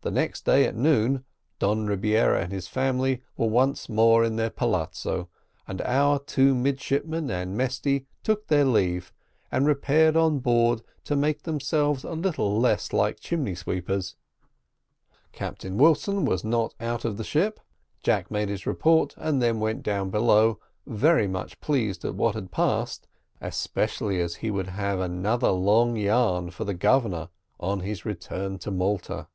The next day, at noon, Don Rebiera and his family were once more in their palazzo, and our two midshipmen and Mesty took their leave, and repaired on board to make themselves a little less like chimney sweepers. Captain Wilson was not out of the ship. Jack made his report, and then went down below, very much pleased at what had passed, especially as he would have another long yarn for the Governor on his return to Malta.